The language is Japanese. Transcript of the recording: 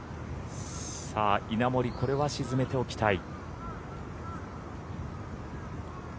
稲森これは沈めておきたい。